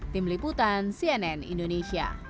tim liputan cnn indonesia